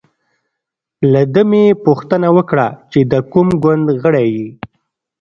له ده مې پوښتنه وکړه چې د کوم ګوند غړی یې.